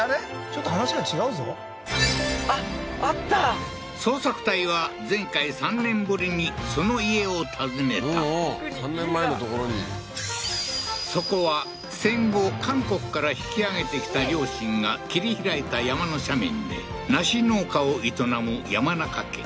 ちょっと話が違うぞあっあった捜索隊はうんうん３年前の所にそこは戦後韓国から引き揚げてきた両親が切り開いた山の斜面で梨農家を営む山中家